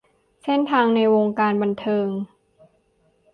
เส้นทางในวงการบันเทิง